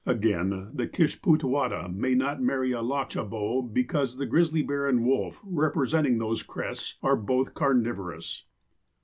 Again, the Kishpootwadda may not marry a Lacheboo, because the grizzly bear and wolf, representing those crests, are both carnivorous.'